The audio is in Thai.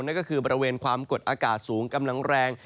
นั่นก็คือบริเวณความกดอากาศสูงกำลังแรง